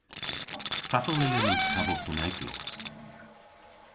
Fatel yllyn ni kavos an eglos?